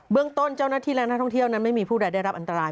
เรื่องต้นเจ้าหน้าที่และนักท่องเที่ยวนั้นไม่มีผู้ใดได้รับอันตราย